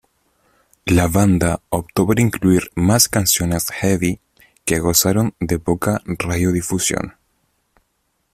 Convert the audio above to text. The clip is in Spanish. La banda optó por incluir más canciones "heavy", que gozaron de poca radiodifusión.